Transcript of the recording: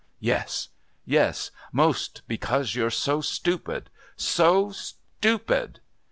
Yes. Yes. Most because you're so stupid. So stupid.